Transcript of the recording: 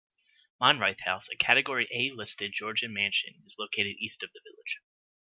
Monreith House, a category A listed Georgian mansion is located east of the village.